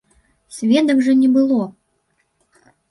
Сведак жа не было!